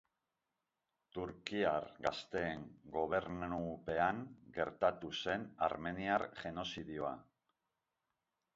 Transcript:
Turkiar Gazteen gobernupean gertatu zen Armeniar genozidioa.